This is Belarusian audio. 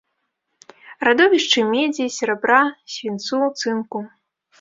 Радовішчы медзі, серабра, свінцу, цынку.